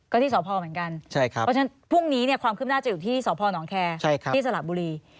ก็ที่สพเหมือนกันเพราะฉะนั้นพรุ่งนี้ความขึ้นหน้าจะอยู่ที่สพนแคร์ที่สระบุรี